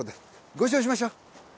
ご一緒しましょう。